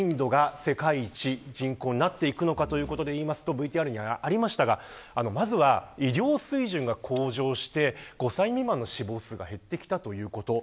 なぜインドが人口世界一になっていくのかということで言いますとＶＴＲにもありましたがまずは医療水準が向上して５歳未満の死亡数が減ってきたということ。